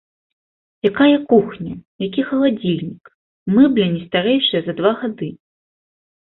Якая кухня, які халадзільнік, мэбля не старэйшая за два гады.